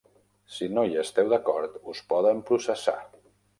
Si no hi esteu d'acord, us poden processar.